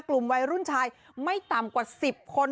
กลุ่มวัยรุ่นชายไม่ต่ำกว่า๑๐คน